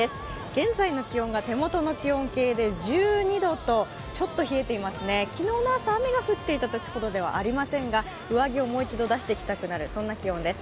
現在の気温が手元の気温計で１２度とちょっと冷えていますね、昨日の朝、雨が降ってきたほどではありませんが上着をもう一度出してきたくなる、そんな気温です。